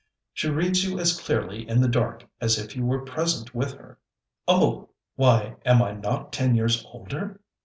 'She reads you as clearly in the dark as if you were present with her.' 'Oh! why am I not ten years older!'